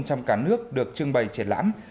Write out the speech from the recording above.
trong cả nước được trưng bày triệt lãm